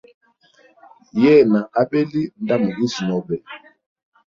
Yena abeli nda mugisi nobe.